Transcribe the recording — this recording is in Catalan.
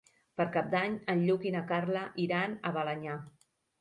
Per Cap d'Any en Lluc i na Carla iran a Balenyà.